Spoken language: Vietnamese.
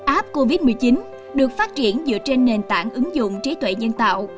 app covid một mươi chín được phát triển dựa trên nền tảng ứng dụng trí tuệ nhân tạo